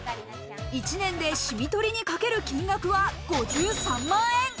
１年でシミ取りにかける金額は５３万円。